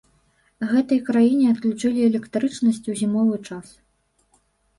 Гэтай краіне адключалі электрычнасць у зімовы час.